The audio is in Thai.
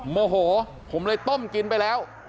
โมโหผมเลยต้มกินไปแล้ว